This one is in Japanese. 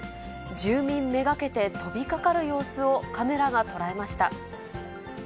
住民めがけて飛びかかる様子をカメラが捉えました。